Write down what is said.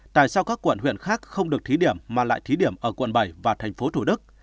tại sao các quận huyện khác không được thí điểm mà lại thí điểm ở quận bảy và thành phố thủ đức